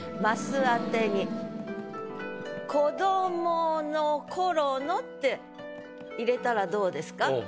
「鱒あてに子どもの頃の」って入れたらどうですか？